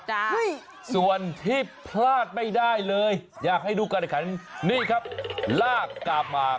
ส่วนที่พลาดไม่ได้เลยอยากให้ดูการแข่งขันนี่ครับลากกลับมา